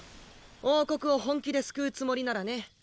王国を本気で救うつもりならね。